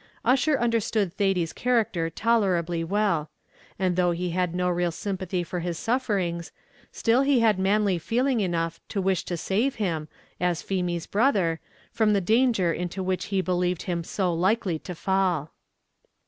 Ussher understood Thady's character tolerably well; and though he had no real sympathy for his sufferings, still he had manly feeling enough to wish to save him, as Feemy's brother, from the danger into which he believed him so likely to fall.